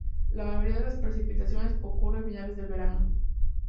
La mayoría de las precipitaciones ocurren a finales del verano.